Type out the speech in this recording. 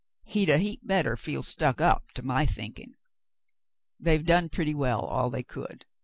He'd a heap better feel stuck up to my thinkin'." "They've done pretty well, all who could.